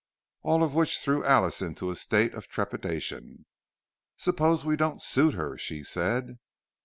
All of which threw Alice into a state of trepidation. "Suppose we don't suit her!" she said.